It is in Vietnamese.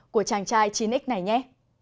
của chàng trai chín x này nhé